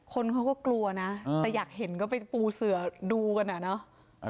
คนเขาก็กลัวนะแต่อยากเห็นก็ไปปูเสือดูกันอ่ะเนอะ